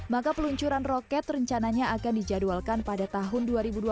maka peluncuran roket rencananya akan dijadwalkan pada tahun dua ribu dua puluh